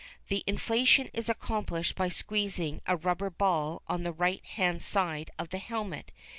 The inflation is accomplished by squeezing a rubber ball on the right hand side of the helmet.